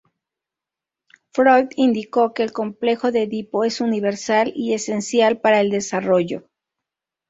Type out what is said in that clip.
Freud indicó que el Complejo de Edipo es universal y esencial para el desarrollo.